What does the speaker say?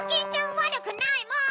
わるくないもん！